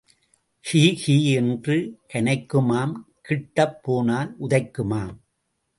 He.. ஹீ என்று கனைக்குமாம், கிட்டப் போனால் உதைக்குமாம்.